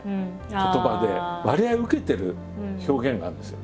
言葉で割合受けてる表現があるんですよ。